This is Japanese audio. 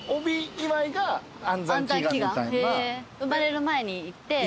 産まれる前に行って。